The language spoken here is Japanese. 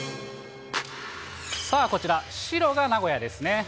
さあ、こちら、白が名古屋ですね。